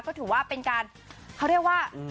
ก็ถือว่าเป็นการเขาเรียกว่า